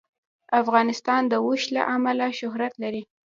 افغانستان د اوښ له امله شهرت لري.